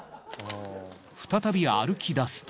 再び歩き出すと。